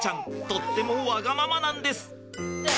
とってもわがままなんです。